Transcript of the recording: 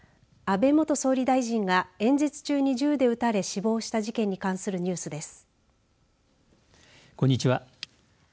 安倍元総理大臣が演説中に銃で撃たれ死亡した事件に関するニュースです。